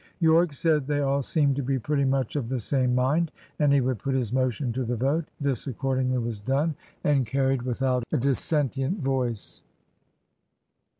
Yorke said they all seemed to be pretty much of the same mind; and he would put his motion to the vote. This accordingly was done, and carried without a dissentient voice.